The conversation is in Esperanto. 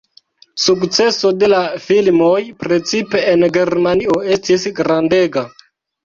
Sukceso de la filmoj precipe en Germanio estis grandega.